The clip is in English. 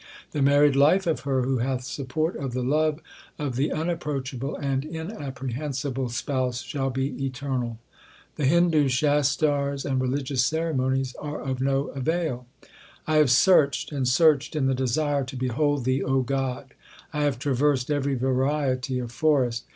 The married life of her who hath the support of the love of the Unapproachable and Inapprehensible Spouse shall be eternal. The Hindu Shastars and religious ceremonies are of no avail : 1 have searched and searched in the desire to behold Thee, O God; HYMNS OF GURU ARJAN 113 I have traversed every variety of forest.